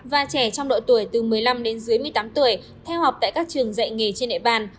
và trẻ trong độ tuổi từ một mươi năm đến dưới một mươi tám tuổi theo học tại các trường dạy nghề trên địa bàn